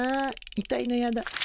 痛いのやだ。